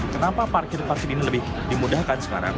kenapa parkir parkir ini lebih dimudahkan sekarang